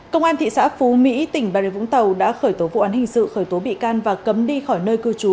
công an thị xã phú mỹ tỉnh bà rịa vũng tàu đã khởi tố vụ án hình sự khởi tố bị can và cấm đi khỏi nơi cư trú